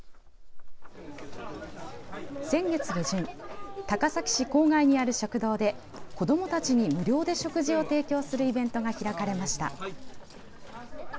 先月下旬高崎市郊外にある食堂で子どもたちに無料で食事を提供するイベントが開かれました。